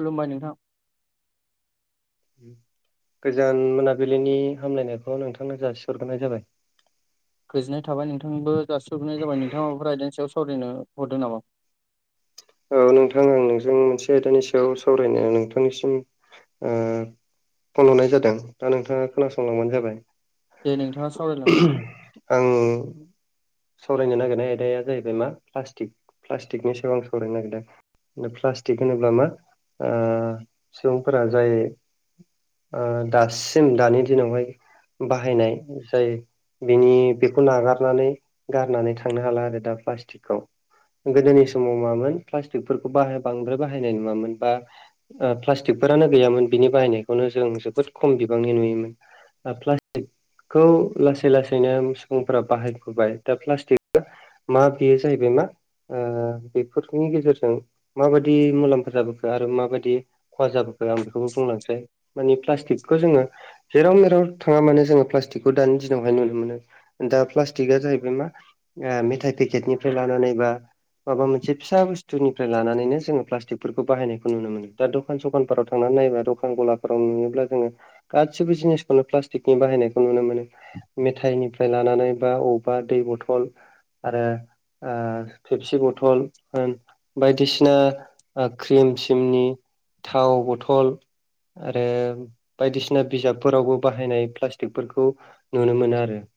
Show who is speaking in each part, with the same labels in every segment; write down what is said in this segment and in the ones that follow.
Speaker 1: खुुलुमबाय नोंथां।
Speaker 2: गोजान मोनाबिलिनि हामलायनायखौ नोंथांनो जासिहरग्रोनाय जाबाय
Speaker 1: गोजोन्नाय थाबाय नोंथांबो जासिहरग्रोनाय जाबाय नोंथाङाबो माबाफोर आयदानि सायाव सावरायनो हरदो नामा
Speaker 2: औ नोंथां आं नोंजों मोनसे आयदानि सायाव सावरायनाय नोंथांनिसिम फन हरनाय जादों दा नोंथाङा खोनासंलांबानो जाबाय
Speaker 1: दे नोंथाङा सावरायलांदों
Speaker 2: आं सावरायनो नागिरनाय आयदाया जाहैबाय मा प्लास्टिक प्लास्टिकनि सायाव सावरायनो नागेरदों प्लास्टिक होनोब्ला मा आ सुबुंफोरा जाय आ दासिम दानि दिनावहाय बाहायनाय जाय बिनि बेखौ नागारनानै गारनानै थांनो हाला आरो दा प्लास्टिकखौ गोदोनि समाव मामोन प्लास्टिकफोरखौ बाहाय बांद्राय बाहायनाय नुआमोन बा प्लास्टिकफोरानो गैयामोन बिनि बाहायनायखौनो जों जोबोद खम बिबांनि नुयोमोन प्लास्टिकखौ लासै लासैनो सुबुंफोरा बाहायबोबाय दा प्लास्टिक मा बियो जाहैबाय मा आ बेनि गेजेरजों माबायदि मुलाम्फा जाबोखो आरो माबायदि खहा जाबोखो आं बेखौबो बुंलांसै माने प्लास्टिकखौ जोङो जेराव मेराव थाङा मानो जोङो प्लास्टिकखौ दानि दिनावहाय नुनो मोनो दा प्लास्टिकआ जाहैबाय मा मेथाइ पेकेटनिफ्राय लानानै बा माबा मोनसे फिसा बुस्थुनिफ्राय लानानैनो जोङो प्लास्टिकफोरखौ बाहायनायखौ नुनो मोनो दा दखान सखानफोराव थांनानै नायबा दखान गला फोराव नुयोब्ला जोङो गासिबो जिनिसखौनो प्लास्टिकनि बाहायनायखौ नुनो मोनो मेथाइनिफ्राय लानानै बा अबेबा दै बथल आरो ओ खेबसि बथल ओ बायदिसिना क्रिम सिमनि थाव बथल आरो बायदिसिना बिजाबफोरावबो बाहायनाय प्लास्टिकफोरखौ नुनो मोनो आरो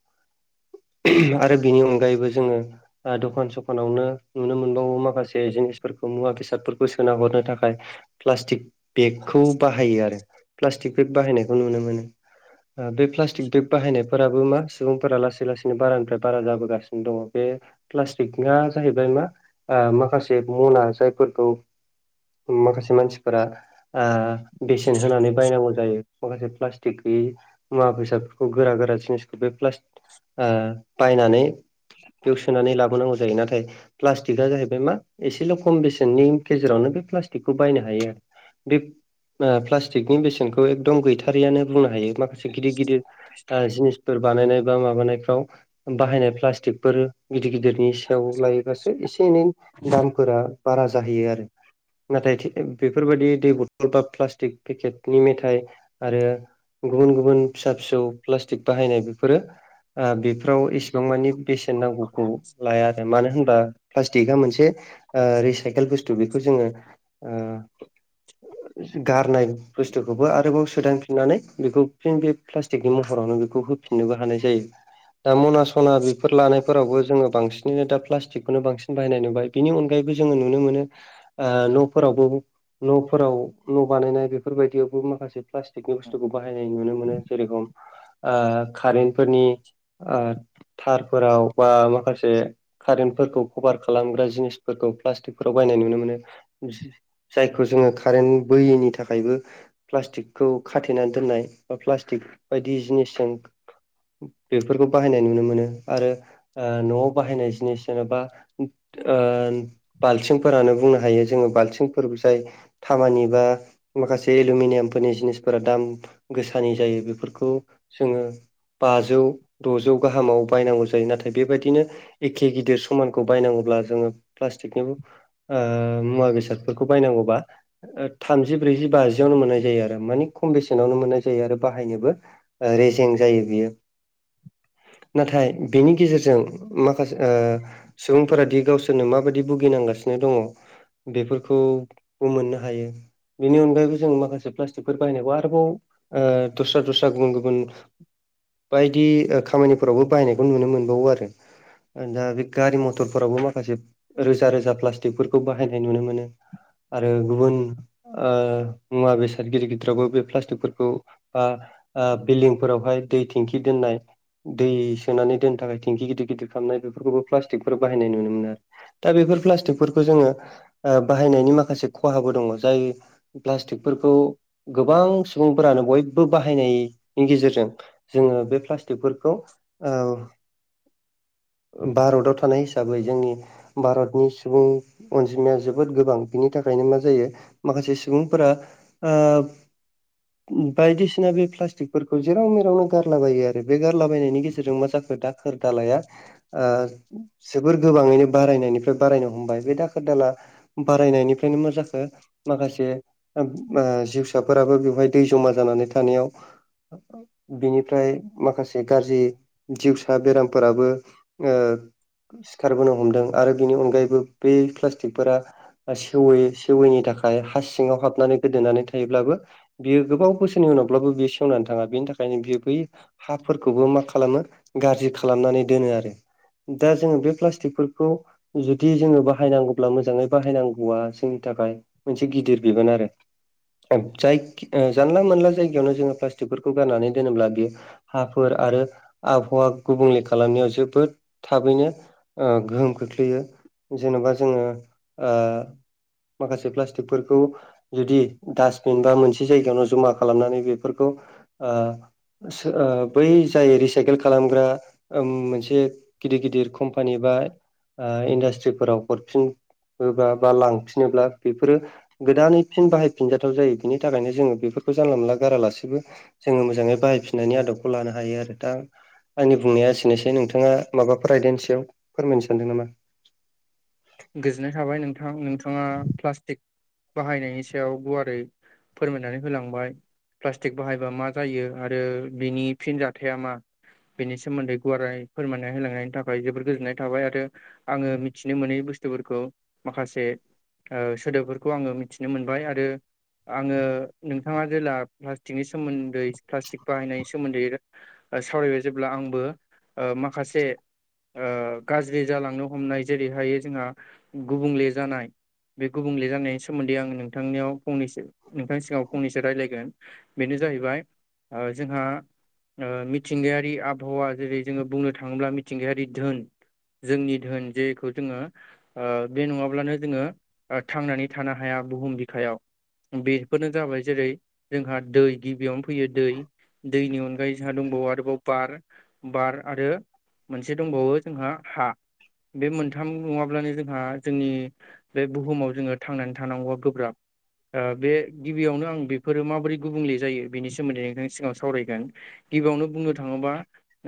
Speaker 2: आरो बिनि अनगायैबो जोङो ओ दखान सखानावनो नुनो मोन बावो माखासे जिनिसफोरखौ मुवा बेसादफोरखौ सोना हरनो थाखाय प्लास्टिक बेगखौ बाहायो आरो प्लास्टिक बेग बाहायनायखौ नुनो मोनो बे प्लास्टिक बेग बाहायनायफोराबो मा सुबुंफोरा लासै लासै बारानिफ्राय बारा जाबोगासिनो दङ बे प्लास्टिका जाहैबाय मा ओ माखासे मना जायफोरखौ माखासे मानसिफोरा ओ बेसेन होनानै बायनांगौ जायो माखासे प्लास्टिक गैयै मुवा बेसादफोरखौ गोरा गोरा जिनिसखौ बेलास बायनानै बेयाव सोनानै लाबोनांगौ जायो नाथाय प्लास थिखा जाहैबाय मा एसेल' खम बेसेननि गेजेरावनो बे प्लास्टिकखौ बायनो हायो बे ओ प्लास्टिकनि बेसेनखौ एकदम गैथारियानो बुंनो हायो माखा से गिदिर गिदिर जिनिसफोर बानायनाय बा माबानायफ्राव बाहायनाय प्लास्टिकफोर गिदिर गिदिरनि सायाव लायोबासो एसे एनै दामफोरा बारा जाहैयो आरो नाथाय बेफोरबायदि दै बथल बा प्लास्टिक पेकेटनि मेथाइ आरो गुबुन गुबुन फिसा फिसौ प्लास्टिक बाहायनाय बेफोरो ओ बेफोराव बिबां मानि बेसेन नांगौखौ लाया आरो मानो होनबा प्लास्टिकआ मोनसे ओ रिसाइकेल बुस्थु बेखौ जोङो ओ गारनाय बुस्थुखौबो आरोबाव सोदां सुनानै बेखौ फिन बे प्लास्टिकनि महरावनो बेखौ होफिननोबो हानाय जायो दा मना सना बेफोर लानायफोरावबो जोङो बांसिनैनो दा प्लास्टिक नो बांसिन बाहायनाय नुबाय बिनि अनगायैबो जोङो नुनो ओ मोनो न'फोरावबो न'फोराव न' बानायनाय बेफोरबायदियावबो माखासे प्लास्टिकनि बुस्थुखौ बाहायनाय नुनो मोनो जेरेखम ओ कारेेनट फोरनि ओ थारफोराव बा माखासे कारेन्ट फोरखौ कभार खालामग्रा जिनिसफोरखौ प्लास्टिकफोराव बायनाय नुनो मोनो जायखौ जोङो कारेन्ट बोयैनि थाखायबो प्लास्टिकखौ खाथेनानै दोननाय बा प्लास्टिक बायदि जिनिसजों बेफोरखौ बाहायनाय नुनो मोनो आरो ओ न'आव बाहायनाय जिनिस जेनेबा ओ बाल्थिंफोरानो बुंनो हायो जोङो बाल्थिंफोर जाय तामानि बा माखासे एलुमिनियामफोरनि जिनिसफोरा दाम गोसानि जायो बेफोरखौ जोङो बाजौ द'जौ गाहामाव बायनांगौ जायो नाथाय बेबायदिनो एखे गि दिर समानखौ बायनांगौब्ला जोङो प्लास्टिकनिबो ओ मुवा बेसादफोरखौ बायनांगौबा ओ थामजि ब्रैजि बाजियावनो मोननाय जायो आरो मानि खम बेसेनावनो मोननाय जायो आरो बाहायनोबो ओ रेजिं जायो बियो। नाथाय बेनि गेजेरजों माखास ओ सुबुंफोरा दि गावसोरनो माबायदि भुगिनांगासिनो दङ बेफोरखौबो मोननो हायो। बेनि अनगायैबो जों माखासे प्लास्टिकफोर बाहायनायखौ आरोबाव ओ दस्रा दस्रा गुबुन गुबुन बायदि ओ खामानिफोरावबो बायनायखौ नुनो मोनबावो आरो दा बे गारि मथरफोरावबो माखासे रोजा रोजा प्लास्टिकफोरखौ बाहायनाय नुनो मोनो। आरो गुबुन ओ मुवा बेसाद गिदिर गिदिरावबो बे प्लास्टिकफोरखौ बा ओ बिल्दिंफोरावहाय दै थेंखि दोननाय दै सोनानै दोननो थाखाय थेंखि गिदिर गिदिर खालामनाय बेफोरखौबो प्लास्टिकफोर बाहायनाय नुनो मोनो आरो दा बेफोर प्लास्टिकफोरखौ जोङो ओ बाहायनायनि माखासे खहाबो दङ जाय प्लास्टिकफोरखौ गोबां सुबुंफोरानो बयबो बाहायनायनि गेजेरजों जोङो बे प्लास्टिकफोरखौ ओ भारताव थानाय हिसाबै जोंनि भारतनि सुबुं अनजिमाया जोबोद गोबां बिनि थाखायनो मा जायो माखासे सुबुंफोरा ओ बायदिसिना बे प्लास्टिकफोरखौ जेराव मेरावनो गारलाबायो आरो बे गारलाबायनायनि गेजेरजों मा जाखो दा खोर दालाया ओ जोबोर गोबाङैनो बारायनायनिफ्राय बारायनो हमबाय बे दाखोर दाला बारायनायनिफ्रायनो मा जाखो माखासे ओब ओ जिउसाफोराबो बेवहाय दै जमा जानानै थानायाव बिनिफ्राय माखासे गाज्रि जिउसा बेरामफोराबो ओ सिखारबोनो हमदों आरो बिनि अनगायैबो बै प्लास्टिकफोरा ओ सेवै सेवैनि थाखाय हा सिङाव हाबनानै गोदोनानै थायोब्लाबो बियो गोबाव बोसोरनि उनावब्लाबो बियो सेवनानै थाङा बेनि थाखायनो बियो बै हाफोरखौबो मा खालामो गाज्रि खालामनानै दोनो आरो दा जोङो बे प्लास्टिकफोरखौ जुदि जोङो बाहायनांगौब्ला मोजाङै बाहायनांगौआ जोंनि थाखाय मोनसे गिदिर बिबान आरो जाय जानला मोनला जायगायावनो जोङो प्लास्टिकफोरखौ गारनानै दोनोब्ला बेयो हाफोर आरो आबहावा गुबुंले खालामनायाव जोबोद थाबैनो गोहोम ओ खोख्लैयो जेन'बा जोङो ओ माखासे प्लास्टिकफोरखौ जुदि डास्टबिन बा मोनसे जायगायावनो जमा खालामनानै बेफोरखौ ओ सो ओ बै जाय रिसाइकेल खालामग्रा ओम मोनसे गिदिर गिदिर कम्पानि बा इन्डास्ट्रिफोराव हरफिन होब्ला बा लांफिनोब्ला बेफोरो गोदानै फिन बाहायफिनजाथाव जायो बिनि थाखायनो जोङो बेफोरखौ जानला मोनला गारालासिबो जोङो मोजाङै बाहायफिननायनि आदबखौ लानो हायो आरो दा आंनि बुंनाया एसेनोसै नोंथाङा माबाफोर आयदानि सायाव फोरमायनो सानदों नामा?
Speaker 1: गोजोननाय थाबाय नोंथां नोंथाङा प्लास्टिक बाहायनायनि सायाव गुवारै फोरमायनानै होलांबाय। प्लास्टिक बाहायबा मा जायो आरो बिनि फिन जाथाया मा बेनि सोमोन्दै गुवारै फोरमायना होलांनायनि थाखाय जोबोर गोजोननाय थाबाय आरो आङो मिथिनो मोनै बुस्थुफोरखौ माखासे ओ सोदोबफोरखौ आङो मिथिनो मोनबाय आरो आङो नोंथाङा जेला प्लास्टिकनि सोमोन्दै प्लास्टिक बाहायनायनि सोमोन्दै सावरायबाय जेब्ला आंबो ओ माखासे ओ गाज्रि जालांनो हमनाय जेरैहाय जोंहा गुबुंले जानाय बे गुबुंले जानायनि सोमोन्दै आं नोंथांनियाव फंनैसो नोंथांनि सिगाङाव फंनैसो रायज्लायगोन। बेनो जाहैबाय ओ जोंहा ओ मिथिंगायारि आबहावा जेरै जोङो बुंनो थाङोब्ला मिथिंगायारि धोन जोंनि धोन जेखौ जोङो ओ बे नङाब्लानो जोङो थांनानै थानो हाया बुहुम बिखायाव। बेफोरनो जाबाय जेरै जोंहा दै गिबियावनो फैयो दै। दैनि अनगायै जोंहा दंबावो आरोबाव बार बार आरो मोनसे दंबावो जोंहा हा बे मोनथाम नुङा अब्लानो जोंहा जोंनि बे बुहुमाव जोङो थांनानै थानांगौआ गोब्राब। ओ बे गिबियावनो आं बेफोरो माबोरै गुबुंले जायो बेनि सोमोन्दै नोंथांनि सिगाङाव सावरायगोन। गिबियावनो बुंनो थाङोबा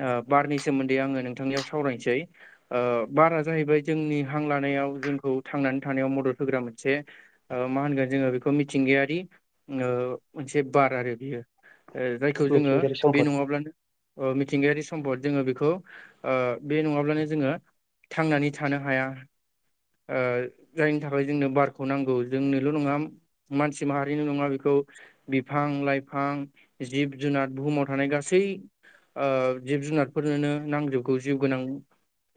Speaker 1: ओ बारनि सोमोन्दै आङो नोंथांनियाव सावरायनोसै। ओ बारा जाहैबाय जोंनि हां लानायाव जोंखौ थांनानै थानायाव मदद होग्रा मोनसे ओ मा होनगोन जोङो बेखौ मिथिंगायारि मोनसे बार आरो बियो ओ जायखौ जोङो
Speaker 2: मिथिंगायारि
Speaker 1: बे
Speaker 2: सम्पद
Speaker 1: नङाब्लानो ओ मिथिंगायारि सम्पद जोङो बेखौ ओ बे नङाब्लानो जोङो थांनानै थानो हाया। ओ जायनि थाखाय जोंनो बारखौ नांगौ जोंनोल' नङा मानसि माहारिनो नङा बेखौ बिफां लाइफां जिब जुनार बुहुमाव थानाय गासै ओ जिब जुनारफोरनोनो नांजोबगौ जिउ गोनां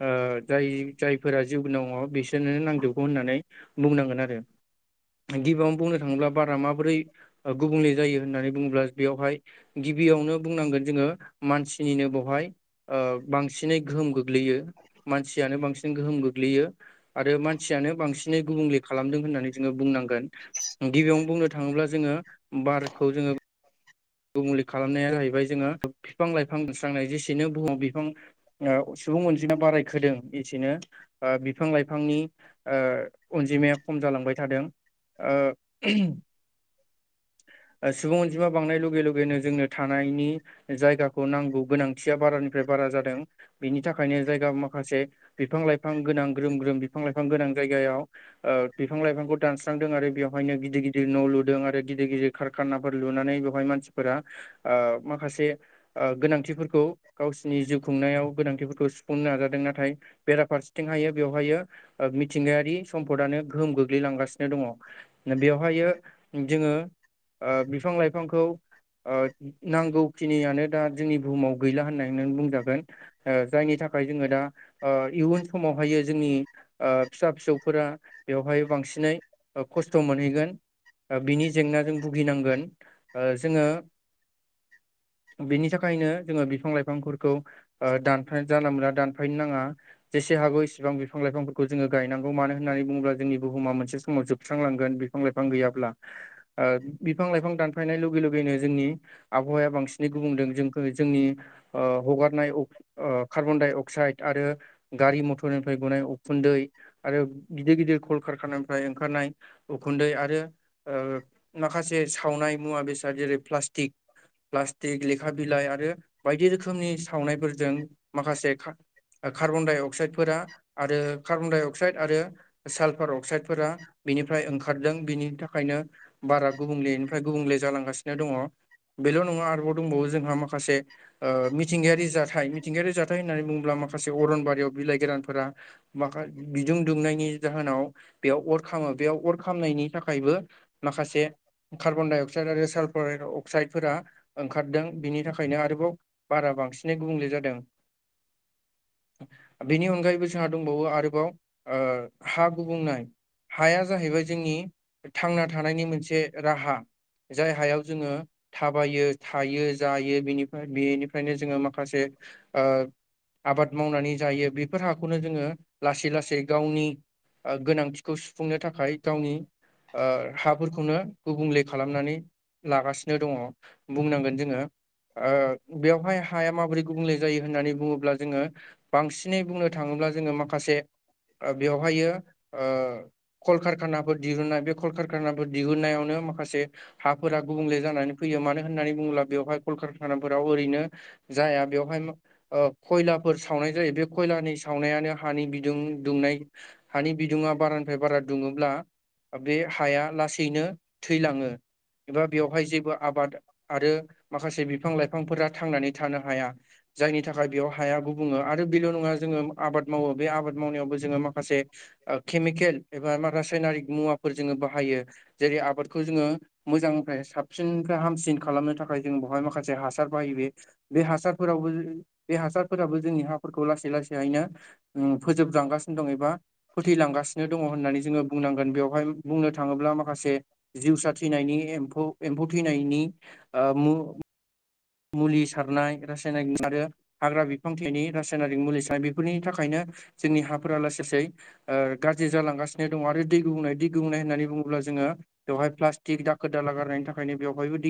Speaker 1: ओ जाय जायफोरा जिउ गोनाङाव बिसोरनो नांजोबगौ होननानै बुंनांगोन आरो। गिबियावनो बुंनो थाङोब्ला बारा माबोरै गुबुंले जायो होननानै बुङोब्ला बेवहाय गिबियावनो बुंनांगोन जोङो मानसिनिनो बहाय ओ बांसिनै गोहोम गोग्लैयो मानसियानो बांसिन गोहोम गो गोग्लैयो आरो मानसियानो बांसिनै गुबुंले खालामदों होननानै जोङो बुंनांगोन। गिबियावनो बुंनो थाङोब्ला जोङो बारखौ जोङो गुबुंले खालामनाया जाहैबाय जोङो बिफां लाइफां बुस्रांनाय जेसेनो बुहुमाव बिफां ओ सुबुं अनजिमा बारायखोदों एसेनो ओ बिफां लाइफांनि ओ अनजिमाया खम जालांबाय थादों। ओ सुबुं अनजिमा बांनाय लु लुगे लगेनो जोंनो थानायनि जायगाखौ नांगौ गोनांथिया बारानिफ्राय बारा जादों। बिनि थाखायनो जायगा माखासे बिफां लाइफां गोनां ग्रोम ग्रोम बिफां लाइफां गोनां जायगायाव ओ बिफां लाइफांखौ दानस्रांदों आरो बेवहायनो गिदिर गिदिर न' लुदों आरो गिदिर गिदिर कारखानाफोर लुनानै बेवहाय मानसिफोरा ओ माखासे ओ गोनांथिफोरखौ गावसिनि जिउ खुंनायाव गोनांथिफोरखौ सुफुंनो नाजादों नाथाय बेराफारसेथिंहायो बेवहायो ओ मिथिंगायारि सम्पदानो गोहोम गोग्लैलांगासिनो दङ। बेवहायो जोङो ओ बिफां लाइफांखौ ओ नांगौखिनियानो दा जोंनि बुहुमाव गैला होननानै नों बुंजागोन। ओ जायनि थाखाय जोङो दा ओ इयुन समावहायो जोंनि फिसा फिसौफोरा बेवहाय बांसिनै खस्थ' मोनहैगोन। बिनि जेंनाजों भुगिनांगोन जोङो
Speaker 2: [unintelligible]
Speaker 1: बेनि थाखायनो जोङो बिफां लाइफांफोरखौ दानफाय जानला मोनला दानफायनो नाङा जेसे हागौ इसेबां बिफां लाइफांफोरखौ जोङो गायनांगौ मानो होननानै बुङोब्ला जोंनि बुहुमा मोनसे समाव जोबस्रांलांगोन बि फां लाइफां गैयाब्ला बिफां लाइफां दानफायनाय लोगो लोगैनो जोंनि आबहावाया बांसिनै गुबुंदों जोंखौ जोंनि हगारनाय कार्बनडाइ अक्साइद आरो गारि मथरनिफ्राय गुनाय उखुन्दै आरो गिदिर गिदिर कलकारखानानिफ्राय ओंखारनाय उखुन्दै आरो माखासे सावनाय मुवा बेसाद जेरै प्लास्टिक प्लास्टिक लेखा बिलाइ आरो बायदि रोखोमनि सावनायफोरजों माखासे कार्बन डाइ अक्साइडफोरा आरो कार्बन डाइ अक्साइड आरो सालफार अक्साइडफोरा बिनिफ्राय ओंखारदों बिनि थाखायनो बारा गुबुंलेनिफ्राय गुबुंले जालांगासिनो दङ बेल' नङा आरोबाव दंबावो जोंहा माखासे मिथिंगायारि जाथाय मिथिंगायारि जाथाय होननानै बुङोब्ला माखासे अरनबारियाव बिलाइ गोरानफोरा माखा बिदुं दुंनायनि जाहोनाव बेयाव अर खामो बेयाव अर खामनायनि थाखायबो माखासे कार्बन डाइ अक्साइड आरो साल [unintelligible] अक्साइडफोरा ओंखारदों बिनि थाखायनो आरोबाव बारा बांसिनै गुबुंले जादों।
Speaker 2: [inaudible]
Speaker 1: बेनि अनगायैबो जोंहा दंबावो आरोबाव ओ हा गुबुंनाय हाया जाहैबाय जोंनि थांना थानायनि मोनसे राहा जाय हायाव जोङो थाबायो थायो जायो बेनिफ्राय बेनिफ्रायनो जोङो माखासे ओ आबाद मावनानै जायो बेफोर हाखौनो जोङो लासै लासै गावनि गोनांथिखौ सुफुंनो थाखाय गावनि ओ हाफोरखौनो गुबुंले खालामनानै लागासिनो दङ बुंनांगोन जोङो। ओ बेवहाय हाया माबोरै गुबुंले जायो होननानै बुङोब्ला जोङो बांसिनै बुंनो थाङोब्ला जोङो माखासे बेवहायो ओ कलकारखानाफोर दिहुननाय बे कलकारखानाफोर दिहुननायावनो माखासे हा फोरा गुबुंले जानानै फैयो मानो होननानै बुङोब्ला बेवहाय कलकारखानाफोराव ओरैनो जाया बेवहाय खयलाफोर सावनाय जायो बे खयलानि सावनायानो हानि बिदुं दुंनाय हानि बिदुङा बारानिफ्राय बारा दुङोब्ला बे हाया लासैनो थैलाङो। एबा बेवहाय जेबो आबाद आरो माखासे बिफां लाइफांफोरा थांनानै थानो हाया जायनि थाखाय बेयाव हाया गुबुङो आरो बेल' नङा जोङो आबाद मावो बे आबाद मावनायावबो जोङो माखासे केमिकेल एबा रासायनारिक मुवाफोर जोङो बाहायो जेरै आबादखौ जोङो मोजांनिफ्राय साबसिननिफ्राय हामसिन खालामनो थाखाय जों बेहाय माखासे हासार बाहायो बे बे हासार फोरावबो बे हासार फोराबो जोंनि हाफोरखौ लासै लासैैहायनो फोजोबलांगासिनो दं एबा फोथैलांगासिनो दङ होननानै जों बुंनांगोन बेवहाय बुंनो थाङोब्ला माखासे जिउसा थैनायनि एम्फौ एम्फौ थैनायनि ओ मु मुलि सारनाय रासायनारिक आरो हाग्रा बिफां थैनायनि रासायनारिक मुलि सारनाय बेफोरनि थाखायनो जोंनि हाफोरा लासै लासै ओ गाज्रि जालांगासिनो दङ आरो दै गुबुंनाय दै गुबुंनाय होननानै बुङोब्ला जोङो बेवहाय प्लास्टिक दाखोर दाला गारनायनि थाखायनो बेवहायबो